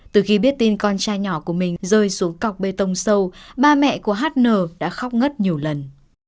từ khi biết tin con trai nhỏ của mình rơi xuống cọc bê tông sâu ba mẹ của hn đã khóc ngất nhiều lần